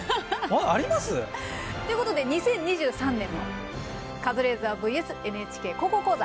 あります？ということで２０２３年も「カズレーザーｖｓ．ＮＨＫ高校講座」